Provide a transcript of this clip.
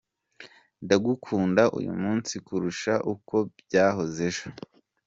Ndagukunda uyu munsi kurusha uko byahoze ejo".